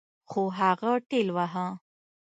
خو هغه ټېلوهه.